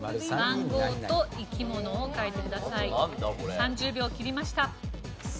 ３０秒切りました。